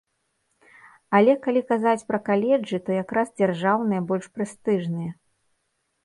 Але калі казаць пра каледжы, то якраз дзяржаўныя больш прэстыжныя.